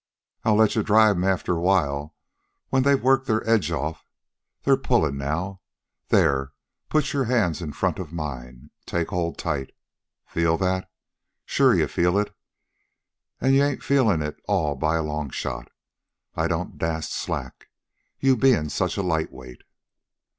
"I'll let you drive 'em, after a while, when they've worked their edge off. They're pullin' now. There, put your hands in front of mine take hold tight. Feel that? Sure you feel it. An' you ain't feelin' it all by a long shot. I don't dast slack, you bein' such a lightweight."